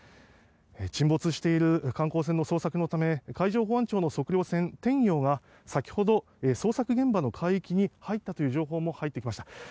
沈没している観光船の捜索のため海上保安庁の測量船「天洋」が先ほど捜索現場の海域に入ったという情報も入ってきました。